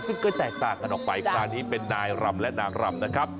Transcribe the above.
ซึ่งก็แตกต่างกันออกไปคราวนี้เป็นนายรำและนางรำนะครับ